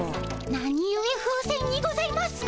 なにゆえ風船にございますか？